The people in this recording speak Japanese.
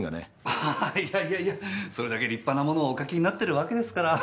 アハハいやいやいやそれだけ立派なものをお書きになってるわけですから。